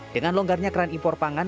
dengan longgarnya keran impor pangan